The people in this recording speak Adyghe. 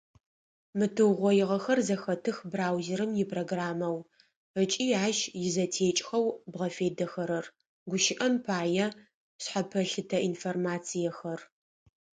Мы тыугъоигъэхэр зэхэтых браузерым ипрограммэу ыкӏи ащ изэтекӏхэу бгъэфедэхэрэр, гущыӏэм пае, шъхьэпэлъытэ информациехэр.